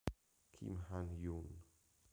Kim Han-yoon